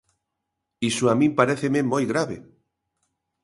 Iso a min paréceme moi grave.